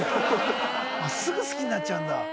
すぐ好きになっちゃうんだ。